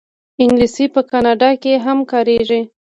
انګلیسي په کاناډا کې هم کارېږي